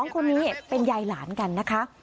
๒คนนี้เป็นยายหลานกันนะคะ